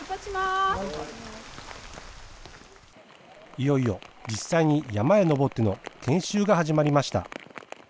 いよいよ、実際に山へ登っての研修が始まりました。